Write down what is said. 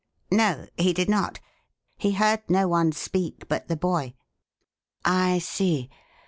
"No, he did not. He heard no one speak but the boy." "I see.